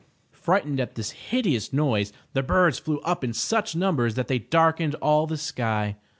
Frightened at this hideous noise the birds flew up in such numbers that they darkened all the sky.